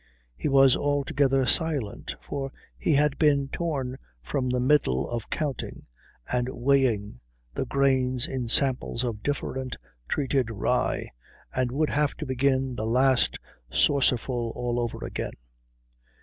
He was altogether silent, for he had been torn from the middle of counting and weighing the grains in samples of differently treated rye, and would have to begin the last saucerful all over again.